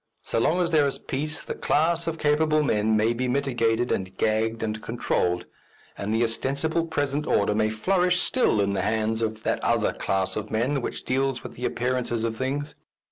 So long as there is peace the class of capable men may be mitigated and gagged and controlled, and the ostensible present order may flourish still in the hands of that other class of men which deals with the appearances of things.